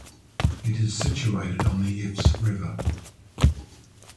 It is situated on the Ifs river.